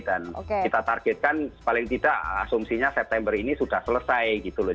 kita targetkan paling tidak asumsinya september ini sudah selesai gitu loh